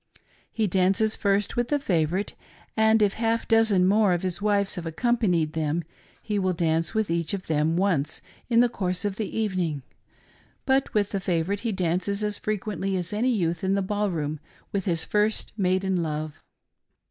He dances first with the favorite, and, if half a dozen more of his wives have accompanied them, he will dance with each of them once in the course of the evening; but with the favorite he dances as frequently as any youth in the ball room with his first maiden love.